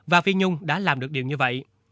và phi nhung đã làm được điều như vậy